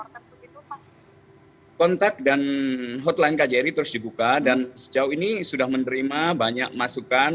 kontak dan hotline kjri terus dibuka dan sejauh ini sudah menerima banyak masukan